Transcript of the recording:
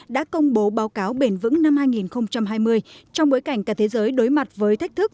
đã công bố báo cáo bền vững năm hai nghìn hai mươi trong bối cảnh cả thế giới đối mặt với thách thức